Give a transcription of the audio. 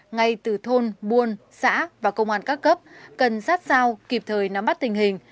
ngay từ thôn buôn xã và công an các cấp cần sát sao kịp thời nắm bắt tình hình